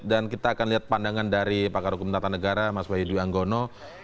dan kita akan lihat pandangan dari pakar hukum tata negara mas wahidwi anggono